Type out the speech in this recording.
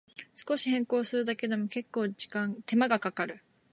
少し変更するだけでも、けっこう手間がかかる